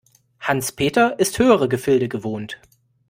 Hans-Peter ist höhere Gefilde gewohnt.